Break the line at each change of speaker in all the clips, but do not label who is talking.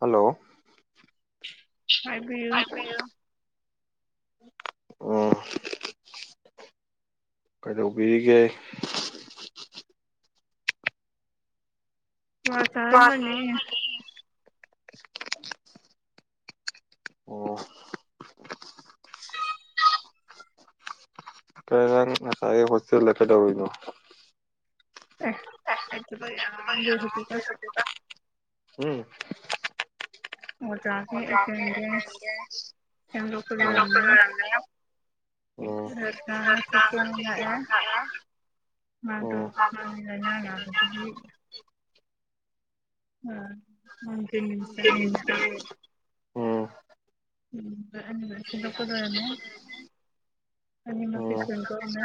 Hello
ꯍꯥꯏꯕꯤꯌꯨ
ꯎꯝ ꯀꯩꯗꯧꯕꯤꯔꯤꯒꯦ
ꯀ꯭ꯋꯥ ꯆꯔꯝꯕꯅꯦ
ꯑꯣ ꯀꯩꯅꯣ ꯅꯪ ꯉꯁꯥꯏꯒꯤ ꯍꯣꯁꯇꯦꯜꯗ ꯀꯗꯧꯔꯨꯏꯅꯣ
ꯑꯦ ꯑꯩ ꯊꯕꯛ ꯌꯥꯝ ꯂꯩ ꯍꯧꯖꯤꯛꯀꯥꯟ
ꯎꯝ
ꯑꯣꯖꯥꯖꯦ ꯑꯦꯡꯖꯟꯒꯦ ꯁꯦꯝꯗꯣꯛꯄ ꯂꯣꯏꯔꯝꯅꯤꯅ
ꯎꯝ
[unintelligible] ꯃꯗꯣ ꯂꯩꯅ ꯅꯕꯗꯨꯒꯤ [unintelligible]
ꯎꯝ
ꯎꯝ ꯑꯍꯟꯕꯗꯣ ꯁꯤꯟꯗꯣꯛꯄ ꯂꯣꯏꯔꯝꯃꯦ ꯑꯅꯤꯃꯛꯀꯤ
ꯎꯝ
ꯁꯦꯝꯗꯣꯛꯑꯝꯃꯦ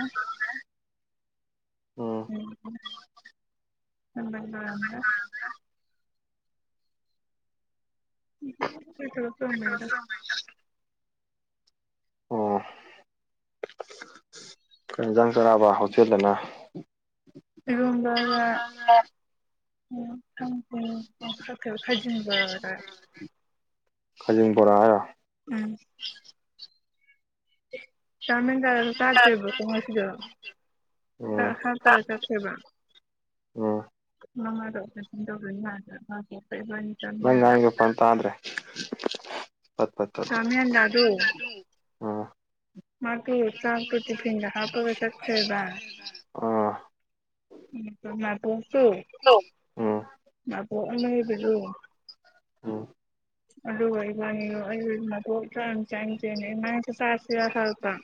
ꯎꯝ ꯍꯅ [unintelligible] ꯎꯝ [unintelligible]
ꯑꯣ ꯀꯩ ꯏꯟꯖꯥꯡ ꯆꯥꯔꯛꯑꯕ ꯍꯣꯇꯦꯜꯗꯅ
ꯏꯔꯣꯝꯕꯒ
[unintelligible]
[unintelligible] ꯈꯖꯤꯟ ꯕꯣꯔꯒ ꯆꯥꯔꯛꯑꯦ
ꯈꯖꯤꯡ ꯕꯣꯔꯥ ꯍꯥꯏꯔꯣ
ꯎꯝ ꯇꯥꯃꯦꯟꯗꯔ ꯆꯥꯗꯔꯤꯕꯣ [unintelligible]
ꯎꯝ
[unintelligible] ꯆꯠꯈꯤꯕ
ꯎꯝ
ꯃꯉꯥꯗ ꯑꯣꯄꯔꯦꯁꯟ ꯇꯧꯗꯣꯏꯅꯤ [unintelligible]
ꯅꯪ ꯉꯥꯡꯏꯗꯣ ꯐꯅ ꯇꯥꯗ꯭ꯔꯦ ꯄꯠ ꯄꯠ ꯇꯠꯂꯦ
ꯇꯥꯝ ꯍꯦꯟꯅꯥꯗꯣ
ꯎꯝ
ꯃꯥꯒꯤ ꯆꯥꯛꯇꯣ ꯇꯤꯐꯤꯟꯗ ꯍꯥꯄꯒ ꯆꯠꯈ꯭ꯔꯦꯕ
ꯑꯝ ꯎꯝ
[unintelligible]
ꯎꯝ
[unintelligible]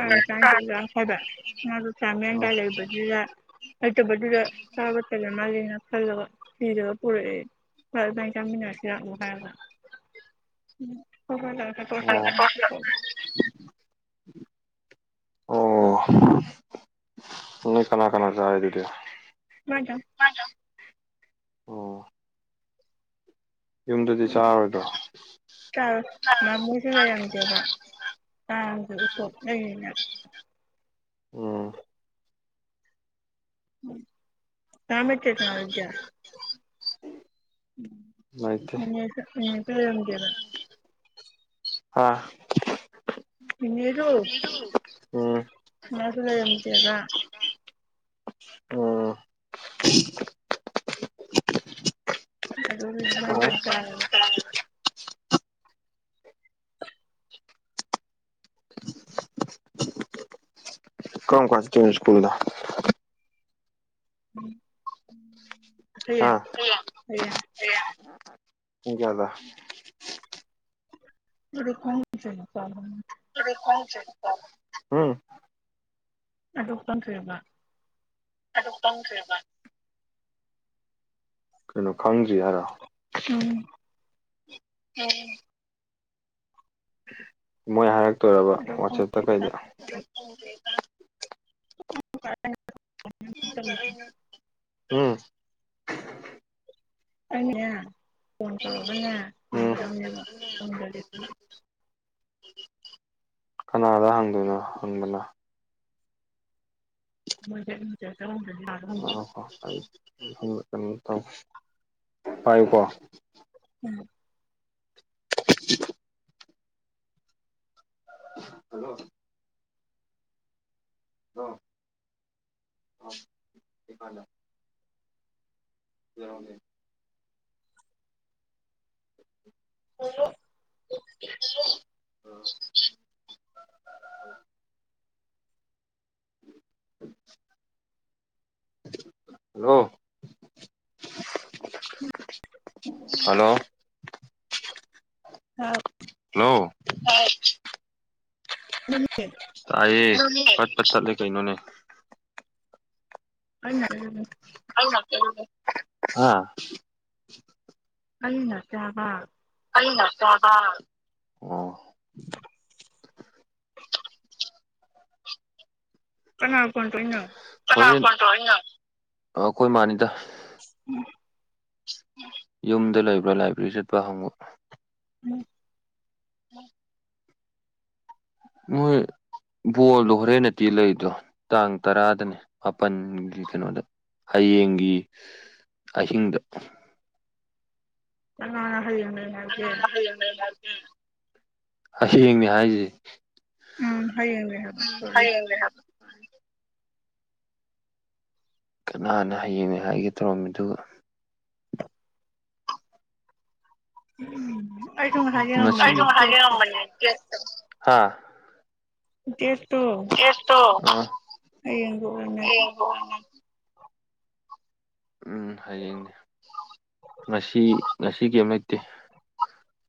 ꯎꯝ
ꯂꯩꯩꯇꯕꯗꯨꯗ ꯆꯥꯕ ꯇꯜꯂꯃꯥꯜꯂꯦꯅ ꯈꯜꯂꯒ ꯊꯤꯔꯒ ꯄꯨꯔꯛꯑꯦ ꯍꯣꯏ ꯏꯕꯥꯅꯤ ꯆꯥꯃꯤꯟꯅꯔꯁꯦ
ꯑꯣ
[unintelligible]
ꯑꯣ ꯅꯣꯏ ꯀꯅꯥ ꯀꯅꯥ ꯆꯔꯦ ꯑꯗꯨꯗꯤ
ꯃꯥꯏꯗꯪ
ꯑꯣ ꯌꯨꯝꯗꯗꯤ ꯆꯥꯔꯣꯏꯗ꯭ꯔꯣ
ꯆꯥꯔꯣꯏ ꯃꯥꯝꯃ ꯍꯣꯏꯁꯨ ꯂꯩꯔꯝꯗꯦꯔꯥ ꯀꯥꯡꯒꯤ ꯎꯁꯣꯞ ꯂꯩꯌꯦꯅ
ꯎꯝ
[unintelligible]
ꯂꯩꯇꯦ
ꯎꯝ ꯅꯤꯅꯦꯁꯨ ꯅꯤꯅꯦꯁꯨ ꯂꯩꯔꯝꯗꯦꯕ
ꯍꯥ
ꯅꯤꯅꯦꯗꯣ
ꯎꯝ
ꯃꯥꯁꯨ ꯂꯩꯔꯝꯗꯦꯕ
ꯑꯝ
ꯑꯗꯨꯒꯤ
ꯑꯣ
ꯏꯕꯥꯅꯤꯇꯪ ꯇꯥꯔꯦꯕ
ꯀꯔꯝ ꯀ꯭ꯂꯥꯁ ꯇꯦꯟ ꯁ꯭ꯀꯨꯜꯗ
ꯎꯝ ꯑꯇꯩ
ꯍꯥ
ꯍꯣꯏꯌꯥꯏ
ꯍꯥꯏꯕ
[unintelligible]
ꯑꯗꯨ ꯀꯣꯡ ꯆꯦ ꯎꯝ
[unintelligible]
[unintelligible] ꯈꯪꯗꯔꯤ ꯍꯥꯏꯔꯣ
ꯎꯝ
ꯎꯝ ꯃꯣꯏ ꯍꯥꯏꯔꯛꯇꯣꯏꯔꯕ
ꯑꯗꯨ
ꯋꯥꯆꯦꯞꯇ
ꯈꯪꯗ꯭ꯔꯤ
ꯀꯩꯗ
[unintelligible]
ꯎꯝ
ꯑꯪꯅꯦ ꯐꯣꯟ ꯇꯧꯔꯒꯅꯦ
ꯎꯝ
ꯍꯪꯒꯗꯝꯅꯦꯕ ꯑꯃꯅꯦ
ꯀꯅꯥꯗ ꯍꯪꯗꯣꯏꯅꯣ ꯍꯪꯕꯅ
[unintelligible]
[unintelligible] ꯄꯥꯏꯌꯨꯀꯣ
ꯎꯝ
ꯍꯜꯂꯣ
[unintelligible]
ꯍꯜꯂꯣ ꯍꯜꯂꯣ
[inaudible] [unintelligible]
[unintelligible]
[unintelligible]
ꯇꯥꯏꯌꯦ ꯄꯠ ꯄꯠ ꯇꯠꯂꯦ ꯀꯩꯅꯣꯅꯦ
ꯑꯩꯅ [unintelligible]
[unintelligible] ꯑꯁ ꯍꯥ
ꯑꯩꯅ ꯅꯥꯠꯇꯦ ꯍꯥꯏꯕ
[unintelligible] ꯎꯝ
[unintelligible] ꯀꯅꯥ ꯀꯣꯟ ꯇꯣꯏꯅꯣ
ꯀꯥꯅꯥ ꯀꯣꯜ ꯇꯧꯔꯛꯏꯅꯣ ꯑꯥ ꯑꯈꯣꯏ ꯃꯥꯅꯤꯗ꯫
ꯎꯝ꯫
ꯌꯨꯝꯗ ꯂꯩꯕ꯭ꯔꯥ ꯂꯥꯏꯕ꯭ꯔꯦꯔꯤ ꯆꯠꯄ ꯍꯪꯕ꯫
ꯎꯝ
ꯃꯣꯏ꯫ ꯕꯣꯜꯗꯣ ꯍꯣꯔꯦꯟ ꯅꯠꯇꯤ ꯂꯩꯗ꯭ꯔꯣ ꯇꯥꯡ ꯇꯔꯥꯗꯅꯦ ꯃꯥꯄꯜꯒꯤ ꯀꯩꯅꯣꯗ ꯍꯌꯦꯡꯒꯤ ꯑꯍꯤꯡꯗ
ꯉꯅꯥ ꯍꯌꯦꯅ ꯍꯥꯏꯒꯦ
ꯍꯌꯦꯡꯅꯦ ꯍꯥꯏꯔꯤꯁꯤ
ꯎꯝ ꯍꯌꯦꯡꯅꯦ
ꯎꯝ ꯍꯥꯌꯦꯡꯅꯦ ꯍꯥꯏꯕ ꯀꯅꯥꯅ ꯍꯌꯦꯡꯅꯦ ꯍꯥꯏꯒꯦ ꯇꯧꯔꯝꯃꯤꯗꯨꯕꯨ
ꯎꯝ
ꯍꯥ
ꯗꯦꯠ ꯇꯣ
ꯑꯥ
ꯍꯌꯦꯡꯒ ꯑꯣꯏꯔꯝꯃꯦ
ꯑꯣ ꯎꯝ ꯍꯌꯦꯡꯅꯦ ꯉꯁꯤ ꯉꯁꯤ ꯀꯩꯝ ꯂꯩꯇꯦ꯫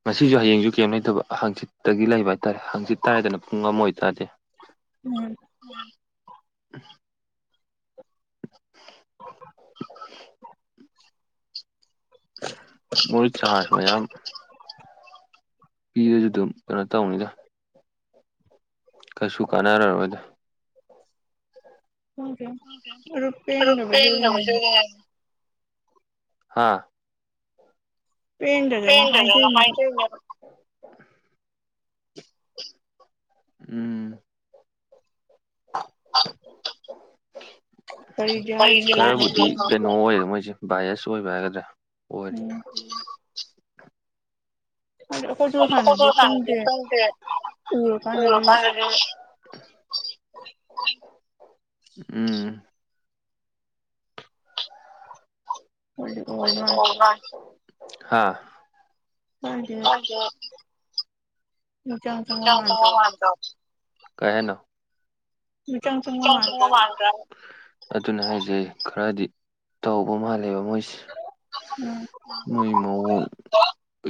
ꯉꯁꯤꯁꯨ ꯍꯌꯦꯡꯁꯨ ꯀꯩꯝ ꯂꯩꯇꯕ ꯍꯥꯡꯆꯤꯠꯇꯒꯤ ꯂꯩꯕ ꯍꯥꯏꯇꯥꯔꯦ ꯍꯥꯡꯆꯤꯠ ꯇꯔꯦꯗꯅ ꯄꯨꯡ ꯑꯃ ꯑꯣꯏꯇꯥꯔꯗꯤ꯫
ꯎꯝ꯫ [unintelligible]
ꯃꯣꯏ ꯆ ꯃ ꯌꯥꯝ ꯌꯥꯝ ꯄꯤꯕꯁꯨ ꯑꯗꯨꯝ ꯀꯩꯅꯣ ꯇꯧꯅꯤꯗ꯫ ꯀꯩꯁꯨ ꯀꯥꯟꯅꯔꯔꯣꯏꯗ꯫
[unintelligible]
ꯍꯥꯥ
ꯄꯦꯟꯗꯗꯨꯅ ꯍꯥꯏꯖꯩꯅꯦꯕ꯫
ꯎꯝ꯫
ꯑ ꯀꯔꯤꯗꯤ ꯍꯥꯏꯅꯤ ꯂꯣꯏ
ꯈꯔꯕꯨꯇꯤ
ꯂꯣꯏꯄꯣꯠꯅꯤ
ꯀꯩꯅꯣ ꯑꯣꯏ ꯃꯣꯏꯁꯤ꯫ ꯚꯏꯌꯦꯁꯑꯣꯏꯕ ꯍꯥꯏꯒꯗ꯭ꯔꯥ ꯑꯣꯏꯔꯦ
ꯎꯝ꯫ ꯍꯥꯏꯗꯤ ꯑꯩꯈꯣꯏꯁꯨ ꯍꯥꯟꯅꯗꯤ
ꯀꯣꯊ
ꯈꯪꯗꯦ
ꯊꯥꯟꯗꯗꯤꯗ ꯎ
ꯎꯔꯀꯥꯟꯗꯗꯤ
ꯀꯥꯟꯗ ꯎꯝ
ꯍꯥꯏꯗꯤ ꯑꯣ ꯃꯥꯜꯂꯦ
ꯍꯥꯥ꯫
ꯍ ꯆꯪꯕ ꯃꯥꯟꯗ꯭ꯔꯣ
ꯀꯩ ꯍꯥꯏꯅꯣ
ꯃꯤꯆꯪ ꯆꯪꯕ ꯃꯥꯟꯗ꯭ꯔꯥ
ꯑꯗꯨꯅ ꯍꯥꯏꯖꯩ ꯈꯔꯗꯤ ꯇꯧꯕ ꯃꯥꯜꯂꯦꯕ ꯃꯣꯏꯁꯦ
ꯎꯝ
ꯃꯣꯏꯃꯣ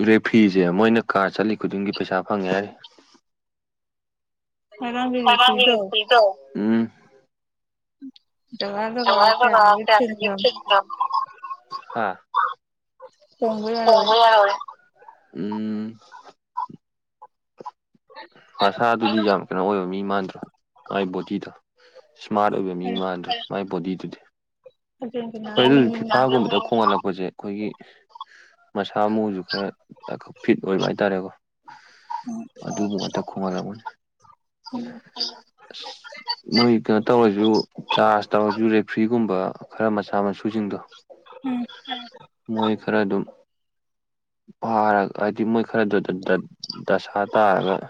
ꯔꯦꯐꯔꯤꯁꯦ ꯃꯣꯏꯅ ꯀꯥꯔ ꯆꯠꯂꯤ ꯈꯨꯗꯤꯡꯒꯤ ꯄꯩꯁꯥ ꯐꯪꯉꯦ ꯍꯥꯏꯔꯦ
ꯉꯔꯥꯡꯒꯤ
ꯁꯃ
ꯔꯤꯐ꯭ꯔꯤꯗꯣ
ꯍꯁꯤ ꯇꯣ
ꯖꯒ ꯖꯒ ꯀꯌꯥꯗꯒꯤ ꯊꯤꯟꯒꯔꯥꯝ꯫
ꯍꯥ
ꯍꯣꯡꯕ ꯌꯔꯣꯏ
ꯎꯝ ꯃꯁꯥꯗꯨꯗꯤ ꯌꯥꯝ ꯀꯩꯅꯣ ꯑꯣꯏꯕ ꯃꯤ ꯃꯥꯟꯗ꯭ꯔꯣ ꯃꯥꯥꯏ ꯕꯣꯗꯤꯗꯣ ꯏꯁꯃꯥꯔꯠ ꯑꯣꯏꯕ ꯃꯤ ꯃꯥꯗ ꯃꯥꯏ ꯕꯣꯗꯤꯗꯨꯗꯤ ꯍꯣꯏ
ꯑꯔꯖꯦꯟꯇꯤꯅꯥꯒꯤ
ꯑꯗꯨꯕꯨꯗꯤ
ꯃꯤꯅꯤ
ꯐꯤꯐꯥꯒꯨꯝꯕꯗ ꯈꯣꯡꯍꯜꯂꯛꯄꯁꯦ꯫ ꯑꯩꯈꯣꯏꯒꯤ ꯃꯁꯥ ꯃꯎꯁꯨ ꯈꯔ ꯐꯤꯠ ꯑꯣꯏꯕ ꯍꯥꯏꯇꯥꯔꯦꯀꯣ ꯑꯗꯨ ꯑꯗ ꯈꯣꯡꯍꯠꯂꯝꯕꯅꯤ꯫
ꯎꯝ
ꯑꯁ ꯅꯣꯏ ꯀꯩꯅꯣ ꯇꯧꯔꯁꯨ ꯆꯥꯔꯖ ꯇꯧꯔꯁꯨ ꯔꯦꯐ꯭ꯔꯤꯒꯨꯝꯕ ꯈꯔ ꯃꯆꯥ ꯃꯁꯨꯁꯤꯡꯗꯣ꯫ ꯃꯣꯏ ꯈꯔ ꯑꯗꯨꯝ ꯐꯥꯔꯒ ꯍꯥꯏꯗꯤ ꯃꯣꯏ ꯈꯔꯗꯨꯗ ꯗꯁꯥ ꯇꯥꯔꯒ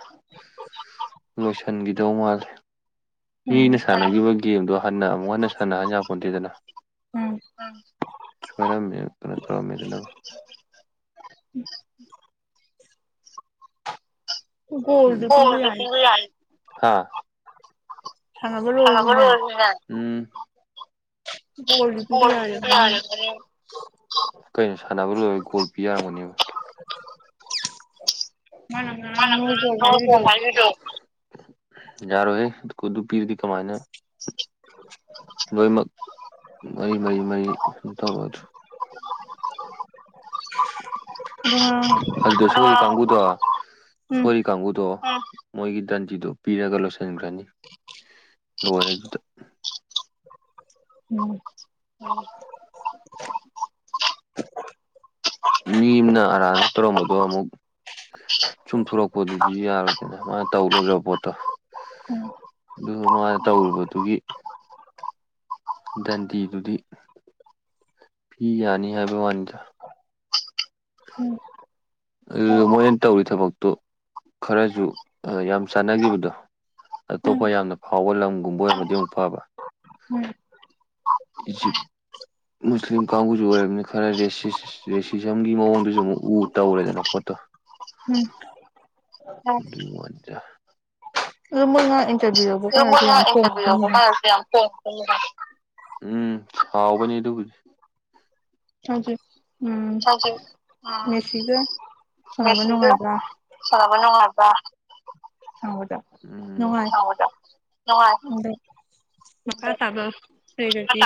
ꯂꯣꯏꯁꯤꯟꯈꯤꯗꯧ ꯃꯥꯜꯂꯦ ꯃꯤꯅ
ꯎꯝ
ꯁꯥꯟꯅꯈꯤꯕ ꯒꯦꯝꯗꯣ ꯍꯟꯅ ꯑꯃꯨꯛ ꯍꯟꯅ ꯁꯥꯟꯅꯍꯟ ꯌꯥꯄꯣꯟꯇꯦꯗꯅ꯫
ꯎꯝ
ꯆꯔ ꯃ ꯊꯔ ꯃ
ꯎꯝ ꯒꯣꯜꯗꯤ
ꯣ
ꯄꯤꯕ ꯌꯥꯏ
ꯌꯥ
[unintelligible] ꯁꯥꯟꯅꯕ
ꯈꯕꯔ
ꯂꯣꯏꯔꯁꯨꯅꯦ
ꯂꯣꯏꯒꯔꯦꯎ
ꯒꯣꯜꯗꯤ ꯄꯤꯕ ꯌꯥꯔꯝꯒꯅꯤ
ꯀꯩꯅꯣ ꯁꯥꯟꯅꯕ ꯂꯣꯏꯔꯦ ꯒꯣꯜ ꯄꯤ ꯌꯥꯔꯝꯒꯅꯤꯕꯣ꯫
ꯃꯥꯅꯥ ꯉ ꯅꯣꯡꯕꯣꯗꯣ
ꯌꯥꯔꯣꯍꯦ ꯈꯨꯨꯗꯨ ꯄꯤꯔꯗꯤ ꯀꯃꯥꯏꯅ꯫
[unintelligible]
ꯂꯣꯏꯃꯛ ꯃꯔꯤ ꯃꯔꯤ ꯃꯔꯤ ꯁꯨꯝ ꯇꯧꯕꯗꯨ꯫
ꯑꯗꯨ ꯉꯥꯔꯥꯡ꯫
ꯀꯥꯡꯕꯨꯗꯣ ꯁꯣꯔꯤ ꯀꯥꯡꯕꯨꯨꯗꯣ ꯃꯣꯏꯒꯤ ꯗꯟꯗꯤꯗꯨꯣ ꯄꯤꯔꯒ ꯂꯣꯏꯁꯤꯟꯈ꯭ꯔꯅꯤ ꯂꯣꯏꯔꯦ ꯑꯗꯨꯗ
ꯎꯝ
[unintelligible] ꯃꯤ ꯑꯃꯅ ꯑꯔꯥꯟ ꯇꯧꯔꯝꯕꯗꯣ ꯑꯃꯨꯛ꯫ ꯁꯨꯝꯊꯣꯔꯛꯄꯗꯨꯗꯤ ꯌꯥꯔꯣꯏꯗꯅ ꯃꯥꯅ ꯇꯧꯂꯣꯏꯒꯔꯕ ꯄꯣꯠꯇꯣ꯫
ꯎꯝ
ꯑꯗꯨ ꯅꯉꯥꯏꯅ ꯇꯧꯔꯤꯕꯗꯨꯒꯤ꯫ ꯗꯦꯟꯗꯤꯗꯨꯗꯤ ꯄꯤ ꯌꯥꯅꯤ ꯍꯥꯏꯕ ꯋꯥꯅꯤꯗ꯫
ꯎꯝ꯫
ꯑꯗꯨꯗ ꯃꯣꯏꯅ ꯇꯧꯔꯤ ꯊꯕꯛꯇꯣ꯫ ꯈꯔꯁꯨ ꯌꯥꯝ ꯆꯥꯟꯅꯈꯤꯕꯗꯣ
ꯎꯝ ꯎꯝ
ꯑꯇꯣꯞꯄ ꯌꯥꯝꯅ ꯐꯥꯎꯕ ꯂꯝꯒꯨꯝꯕ ꯑꯣꯏꯔꯃꯗꯤ ꯑꯃꯨꯛ ꯐꯕ
ꯎꯝ
ꯃꯨꯁꯂꯤꯝ ꯀꯥꯎꯕꯨꯖ ꯑꯣꯏꯔꯅꯤ ꯈꯔ ꯔꯦꯁꯤꯁ ꯔꯦꯁꯤꯁꯝꯒꯤ ꯃꯑꯣꯡꯗꯨꯁꯨ ꯑꯃꯨꯛ ꯎ ꯇꯧꯔꯦꯗꯅ ꯈꯣꯠꯇꯣ
ꯎꯝ
[unintelligible]
ꯑꯗꯣ ꯃꯣꯏ ꯏꯟꯇꯔꯚꯤꯌꯨ꯫ [unintelligible]
[unintelligible] ꯎꯝ ꯍꯥꯎꯕꯅꯤ ꯑꯗꯨꯕꯨꯗꯤ
ꯍꯧꯖꯤꯛ ꯎꯝ
ꯎꯝ
ꯃꯦꯁꯤꯒ ꯁꯥꯟꯅꯕ ꯅꯨꯡꯉꯥꯏꯕ꯭ꯔꯥ
ꯁꯥꯅꯕ ꯅꯨꯡꯉꯥꯏꯕꯔ꯫
ꯍꯥꯎꯗ
ꯁꯥꯟꯅꯕꯁꯨ ꯅꯨꯡꯉꯥꯏ
ꯅꯨꯡꯉꯥꯏꯗ ꯃꯈꯥ ꯇꯥꯕ ꯂꯩꯔꯗꯤ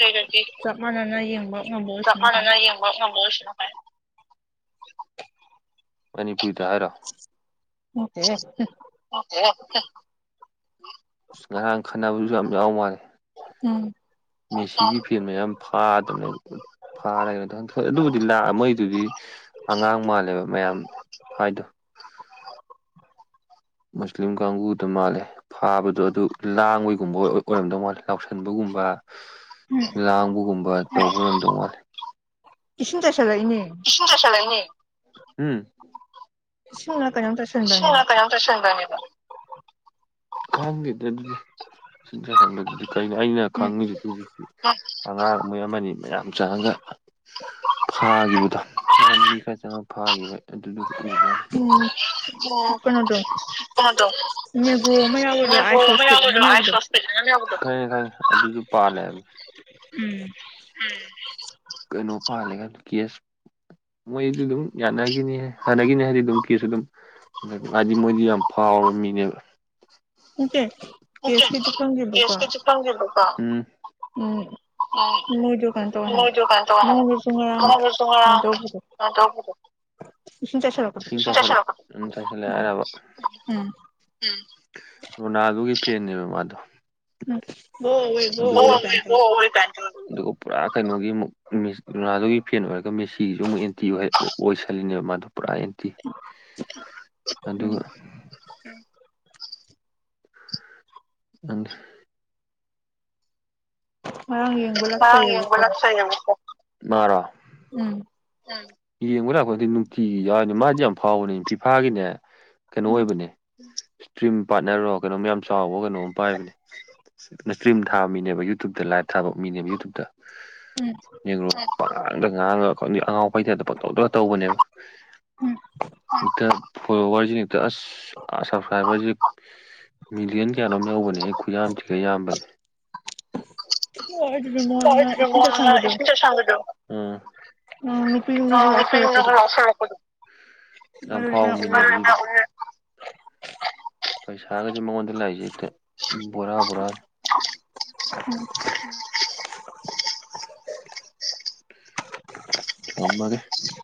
ꯑꯗꯩ
ꯆꯞ ꯃꯟꯅꯅ ꯌꯦꯡꯕ ꯉꯝꯕ
ꯆꯞ
ꯑꯣꯏꯁꯅꯨ ꯀꯥꯏꯅ
[unintelligible] ꯃꯅꯤꯄꯨꯔꯤꯗ ꯍꯥꯏꯔꯣ
ꯅꯠꯇꯦꯍꯦ
ꯑ ꯉꯔꯥꯡ ꯈꯠꯅꯕꯁꯨ ꯌꯥꯝ ꯌꯥꯎ ꯃꯥꯜꯂꯦ
ꯎꯝ
ꯃꯦꯁꯤꯒꯤ ꯐꯦꯟ ꯃꯌꯥꯝ [unintelligible] ꯑꯗꯨꯕꯨꯗꯤ ꯂꯥꯛꯑ ꯃꯣꯏꯗꯨꯗꯤ ꯑꯉꯥꯡ ꯃꯥꯜꯂꯦꯕ ꯃꯌꯥꯝ ꯍꯥꯏꯗꯣ ꯃꯨꯁꯂꯤꯝ ꯀꯥꯡꯕꯨꯗꯣ ꯃꯥꯜꯂꯦ ꯐꯥꯕꯗꯣ ꯑꯗꯨ ꯂꯥꯡꯕꯩꯒꯨꯝꯕ ꯑꯣꯏ ꯑꯣꯏꯔꯝꯗꯧ ꯃꯥꯜꯂꯦ ꯂꯥꯎꯁꯟꯕꯒꯨꯝꯕ
ꯎꯝ
ꯂꯥꯡꯕꯒꯨꯝꯕ ꯇꯧꯕ ꯉꯝꯗꯧ ꯃꯥꯂꯦ
ꯏꯁꯤꯡ ꯆꯥꯏꯁꯤꯜꯂꯛꯏꯅꯦ
ꯢꯁꯤꯡ ꯆꯥꯢꯁꯤꯜꯂꯛꯢꯅꯤ ꯍꯝ
ꯁꯤꯅ ꯀꯩꯅꯣꯝ ꯇꯥꯏꯁꯤꯟꯕꯅꯦꯕ
ꯁꯤꯅ ꯀꯩꯅꯣꯝ ꯈꯪꯗꯦꯗꯥ ꯑꯗꯨꯗꯤ [unintelligible] ꯀꯩꯅꯣ ꯑꯩꯅ
ꯎꯝ
ꯈꯪꯉꯤꯁꯤꯒꯤ ꯑꯉꯥꯡ ꯃꯣꯏ ꯑꯃꯥ ꯑꯃꯅꯤ ꯃꯌꯥꯝ ꯆꯪꯉꯒ ꯐꯥꯒꯤꯕꯗꯣ ꯆꯍꯤ ꯈꯔ ꯆꯪꯑ ꯐꯥꯒꯤꯕ ꯑꯗꯨꯗꯨꯒ ꯎꯕꯩ ꯋꯥꯅꯦ
ꯎꯝ
ꯑꯣ ꯇꯣꯛ
ꯀꯩꯅꯣꯗꯣ
ꯑꯣ ꯇꯣꯛ ꯑꯣ
ꯅꯦꯒ꯭ꯔꯣ ꯑꯃ
[unintelligible]
ꯌꯥꯎꯕꯗꯣ
ꯈꯪꯉꯦ
ꯑꯥꯏꯁ ꯍꯣꯁꯄꯤꯠ ꯑꯅ ꯑꯃ ꯌꯥꯎꯕꯗꯣ
ꯈꯪꯉꯦ ꯑꯗꯨꯁꯨ ꯄꯗꯦ
ꯎꯝ
ꯍꯝ ꯀꯩꯅꯣ ꯄꯜꯂꯦꯒ ꯍꯥꯏꯗꯣ ꯀꯦꯁ ꯃꯣꯏꯗꯤ ꯑꯗꯨꯝ ꯌꯥꯅꯈꯤꯅꯤ ꯍꯥꯟꯅꯒꯤꯅꯦ ꯍꯥꯏꯗꯤ ꯑꯗꯨꯝ ꯀꯦꯁꯁꯨ ꯑꯗꯨꯝ ꯍꯥꯏꯗꯤ ꯃꯣꯏꯗꯤ ꯌꯥꯝ ꯐꯥꯎꯔꯕ ꯃꯤꯅꯦꯕ
ꯅꯠꯇꯦ ꯀꯦꯁ ꯀꯦꯖꯦ
ꯈꯪꯗꯦꯕꯀꯣ
ꯈꯪꯗꯦꯕꯀꯣ
[unintelligible] ꯎꯝ
ꯎꯝ ꯃꯣꯏꯗꯣ ꯀꯩꯅꯣ ꯇꯧꯋꯦ
ꯎꯝ
ꯍꯥꯏꯕ
ꯃꯣꯏꯗꯨ ꯀꯩꯅꯣ ꯇꯧꯌꯦ ꯍꯥꯏ
ꯃꯉꯣꯟꯗꯁꯨ ꯉꯔꯥꯡ
ꯃꯣꯏꯗꯨꯁꯨ
ꯀꯩꯅꯣ
ꯉꯔꯥꯡ
ꯇꯧꯕꯗꯣ
ꯀꯩꯅꯣ ꯇꯧꯕꯗ
ꯏꯁꯤꯡ ꯆꯥꯏꯁꯜꯂꯛꯄꯗꯣ
ꯏꯁꯤꯡ ꯆꯥꯢꯁꯤꯜꯂꯣ ꯆꯥꯢꯁꯤꯜꯂꯦ ꯍꯥꯢꯔꯥꯕ꯭ꯔꯥ
ꯎꯝ
ꯎꯝ ꯔꯣꯅꯥꯜꯗꯣꯒꯤ ꯐꯦꯟꯅꯦꯕ ꯃꯥꯗꯣ
ꯎꯝ ꯒꯣ ꯑꯋꯦ ꯒꯣ ꯑꯋꯦ
[unintelligible]
ꯀꯥꯏꯅ ꯇꯧꯋꯦꯕ
ꯑꯗꯨꯒ ꯄꯨꯔꯥ ꯀꯩꯅꯣꯒꯤ ꯑꯃꯨꯛ ꯔꯣꯅꯥꯜꯗꯣꯒꯤ ꯐꯦꯟ ꯑꯣꯏꯔꯒ ꯃꯦꯁꯤꯁꯨ ꯑꯃꯨꯛ [unintelligible] ꯑꯣꯏꯁꯜꯂꯤꯅꯦꯕ ꯃꯥꯗꯣ ꯄꯨꯔꯥ ꯑꯦꯟꯇꯤ
ꯎꯝ
ꯑꯗꯨꯒ ꯎꯝ ꯑꯪ
ꯉꯔꯥꯡ ꯌꯦꯡꯕ
[unintelligible]
ꯂꯥꯛꯆꯩꯌꯦꯕꯀꯣ
ꯃꯔꯣ
ꯎꯝ
ꯌꯦꯡꯕ ꯂꯥꯛꯄꯗꯤ ꯅꯨꯡꯇꯤꯒꯤ ꯌꯥꯎꯔꯤꯅꯦ ꯃꯥꯗꯤ ꯌꯥꯝ ꯐꯥꯎꯕꯅꯦ ꯐꯤꯐꯥ ꯒꯤꯅꯦꯅꯥ ꯀꯩꯅꯣ ꯑꯣꯏꯕꯅꯦ ꯏꯁꯇ꯭ꯔꯤꯝ ꯄꯥꯔꯠꯅꯔꯣ ꯀꯩꯅꯣꯝ ꯌꯥꯝ ꯆꯥꯎꯕ ꯀꯩꯅꯣꯝ ꯄꯥꯏꯕꯅꯦ ꯏꯁꯇ꯭ꯔꯤꯝ ꯊꯥꯕ ꯃꯤꯅꯦꯕ ꯌꯨꯇꯨꯞꯇ ꯂꯥꯏꯚ ꯊꯥꯕ ꯃꯤꯅꯦꯕ ꯌꯨꯇꯨꯞꯇ
ꯎꯝ
ꯅꯦꯒꯔꯣ ꯄꯉꯥꯡꯗ ꯉꯥꯡꯉꯒ ꯈꯪꯗꯦ ꯑꯉꯥꯎ ꯑꯐꯩ ꯇꯥꯏꯞꯇ ꯄꯪꯇꯧꯗꯒꯥ ꯇꯧꯕꯅꯦꯕ ꯈꯥꯪꯗꯦꯗꯥ ꯐꯣꯂꯣꯋꯔꯁꯤ ꯍꯦꯛꯇ ꯑꯁ ꯑ ꯁꯞꯁꯀ꯭ꯔꯥꯏꯕꯔꯁꯤ ꯃꯤꯂꯤꯌꯟ ꯀꯌꯥꯅꯣꯝ ꯌꯧꯕꯅꯦꯍꯦ ꯈꯨꯌꯥꯝ ꯊꯤꯅ ꯌꯥꯝꯕꯅꯦ
ꯎꯝ ꯑꯗꯨꯗꯤ ꯃꯉꯣꯟꯗ ꯉꯔꯥꯡ
ꯍ
ꯏꯁꯤꯡ
ꯃ
ꯆꯥꯏꯁꯟꯕꯗꯣ
ꯏꯁ ꯁꯒꯗ [inaudible]
ꯎꯝ ꯅꯨꯄꯤꯅꯕꯨ ꯂꯥꯎꯁꯤꯜꯂꯛꯄꯗꯨ
ꯌꯥꯝ ꯐꯥꯎꯕ ꯃꯤꯅꯦ ꯃꯤꯗꯤ ꯄꯩꯁꯥꯒꯁꯦ ꯃꯉꯣꯟꯗ ꯂꯥꯛꯏꯁꯦ ꯍꯦꯛꯇ ꯕꯣꯔꯥ ꯕꯣꯔꯥꯅꯦ
ꯎꯝ
[unintelligible]